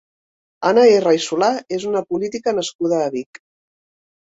Anna Erra i Solà és una política nascuda a Vic.